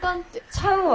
ちゃうわ。